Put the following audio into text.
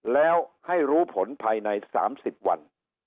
แล้วให้รู้ผลภายใน๓๐วัน